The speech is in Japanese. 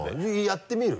やってみる？